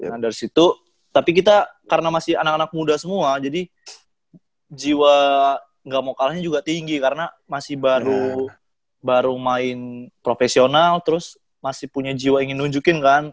nah dari situ tapi kita karena masih anak anak muda semua jadi jiwa gak mau kalahnya juga tinggi karena masih baru main profesional terus masih punya jiwa ingin nunjukin kan